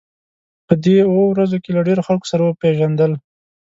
په دې اوو ورځو کې له ډېرو خلکو سره پېژندل.